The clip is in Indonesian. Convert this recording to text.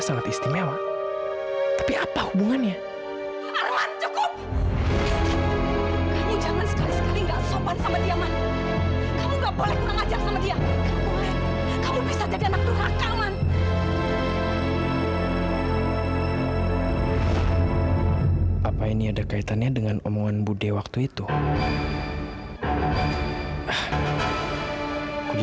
sampai jumpa di video selanjutnya